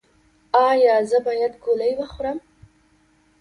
ایا زه باید ګولۍ وخورم؟